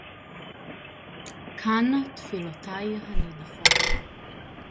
קַן-תְּפִלּוֹתַי הַנִּדָּחוֹת